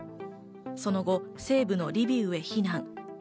その後、西部のリビウへ避難。